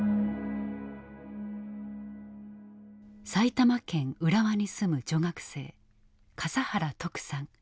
埼玉県浦和に住む女学生笠原徳さん